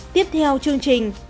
tiếp theo chương trình